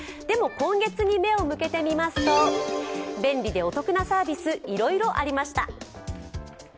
でも、今月に目を向けてみますと便利でお得なサービスいろいろありました。